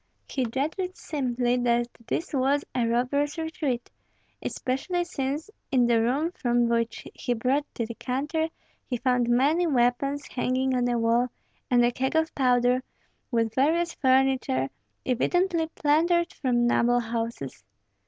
He judged simply that this was a robbers' retreat, especially since in the room from which he brought the decanter he found many weapons hanging on the wall, and a keg of powder, with various furniture, evidently plundered from noble houses.